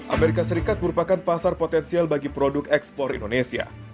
amerika serikat merupakan pasar potensial bagi produk ekspor indonesia